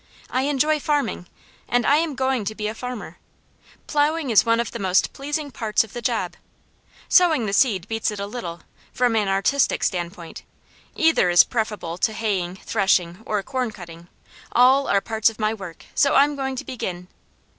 I enjoy farming, and I am going to be a farmer. Plowing is one of the most pleasing parts of the job. Sowing the seed beats it a little, from an artistic standpoint, either is preferable to haying, threshing, or corn cutting: all are parts of my work, so I'm going to begin.